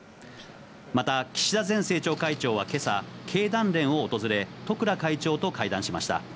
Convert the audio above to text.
また、岸田前政調会長は今朝、経団連を訪れ、十倉会長と会談しました。